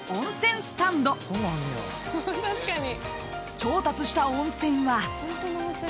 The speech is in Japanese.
［調達した温泉は］